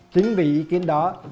chính vì ý kiến đó